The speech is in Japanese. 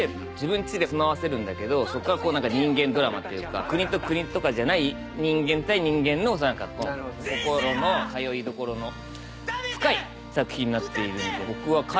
自分ちで住まわせるんだけどそっからこう何か人間ドラマっていうか国と国とかじゃない人間対人間の何かこう心の通いどころの深い作品になっているので僕は。